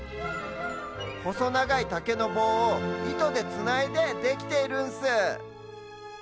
ほそながいたけのぼうをいとでつないでできているんス。